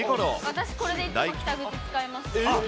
私これでいつも北口使います。